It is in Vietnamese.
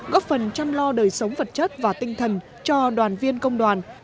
góp phần chăm lo đời sống vật chất và tinh thần cho đoàn viên công đoàn